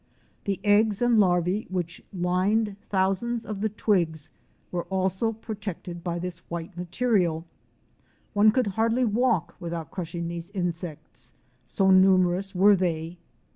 The eggs and larvee which lined thousands of the twigs were also pro tected by this white material. One could hardly walk without crushing these insects, so numerous were they.